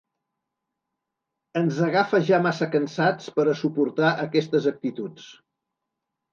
Ens agafa ja massa cansats per a suportar aquestes actituds.